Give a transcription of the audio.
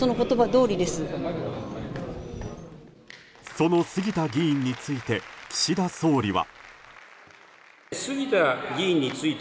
その杉田議員について岸田総理は。